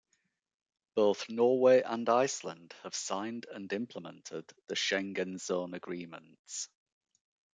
Both Norway and Iceland have signed and implemented the Schengen zone agreements.